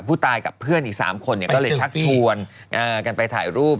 ผู้ตายกับเพื่อนอีก๓คนก็เลยชักชวนกันไปถ่ายรูป